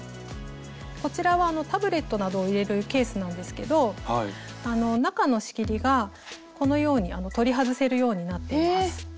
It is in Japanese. こちらはタブレットなどを入れるケースなんですけど中の仕切りがこのように取り外せるようになってます。